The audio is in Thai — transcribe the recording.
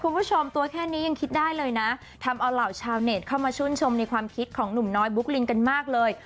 คุณผู้ชมตัวแค่นี้ยังคิดได้เลยนะทำเอาเหล่าชาวเน็ตเข้ามาชื่นชมในความคิดของหนุ่มน้อยบุ๊กลินกันมากเลย